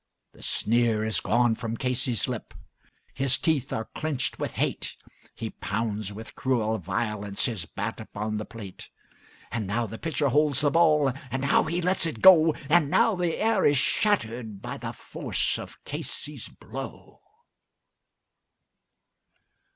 The sneer is gone from Casey's lip; his teeth are clenched with hate, He pounds with cruel violence his bat upon the plate; And now the pitcher holds the ball, and now he lets it go, And now the air is shattered by the force of Casey's blow.